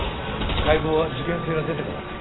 解剖は事件性が出てからだ。